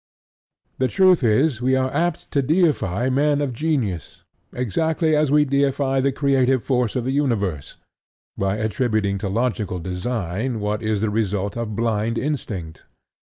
The truth is, we are apt to deify men of genius, exactly as we deify the creative force of the universe, by attributing to logical design what is the result of blind instinct.